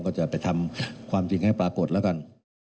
ก็จะไปทำความจริงให้ปรากฏแล้วกัน